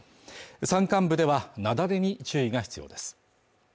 山間部では雪崩に注意が必要です